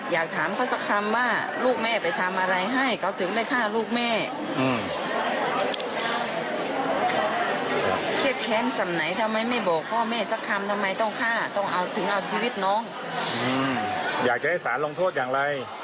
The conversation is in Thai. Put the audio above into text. อยากจะให้ศาลลงโทษอย่างไร